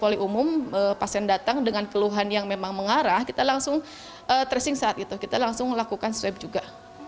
umum pasien datang dengan keluhan yang memang mengarah kita langsung tracing saat itu kita langsung melakukan swab juga